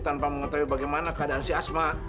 tanpa mengetahui bagaimana keadaan si asma